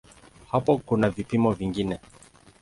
Hapo kuna vipimo vingine.